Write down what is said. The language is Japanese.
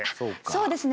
そうですね